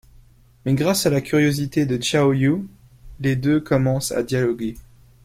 Mais grâce à la curiosité de Xiao Yu, les deux commencent à dialoguer.